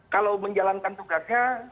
kalau menjalankan tugasnya